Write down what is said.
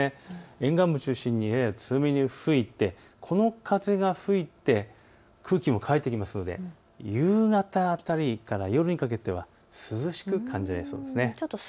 沿岸部を中心にやや強めに吹いてこの風が吹いて空気も乾いてきますので夕方辺りから夜にかけては涼しく感じられそうです。